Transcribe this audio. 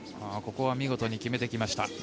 ここは見事に決めてきました。